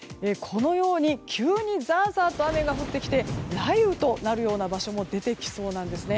急にザーザーと雨が降ってきて雷雨となるような場所も出てきそうなんですね。